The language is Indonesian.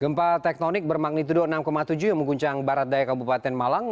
gempa tektonik bermagnitudo enam tujuh yang mengguncang barat daya kabupaten malang